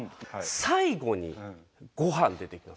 最後にごはん出てきません？